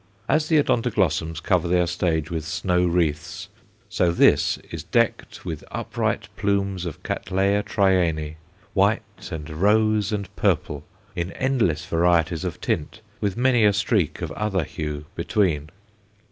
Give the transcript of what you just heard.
As the Odontoglossums cover their stage with snow wreaths, so this is decked with upright plumes of Cattleya Trianæ, white and rose and purple in endless variety of tint, with many a streak of other hue between.